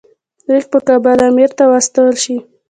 لیک په کابل امیر ته واستول شي.